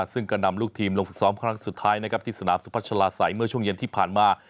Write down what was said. ซึ่งก็นำลูกทีมลงฝึกซ้อมครั้งสุดท้ายนะครับที่สนามสุพัชลาศัยเมื่อช่วงเย็นที่ผ่านมา